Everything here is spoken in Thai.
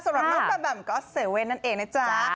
สำหรับน้องกาแบมก๊อตเซเว่นนั่นเองนะจ๊ะ